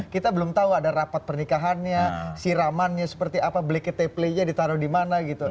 kita belum tahu ada rapat pernikahannya siramannya seperti apa blackety play nya ditaruh di mana gitu